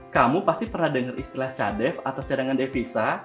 kamu pasti pernah dengar istilah cadef atau cadangan devisa